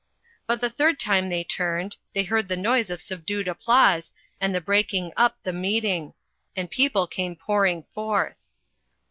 But the third time they turned, they heard the noise of subdued applause and the breaking up the meeting; and people came pouring forth.